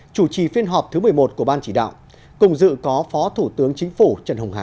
chủ trì phiên họp thứ một mươi một của ban chỉ đạo cùng dự có phó thủ tướng chính phủ trần hồng hà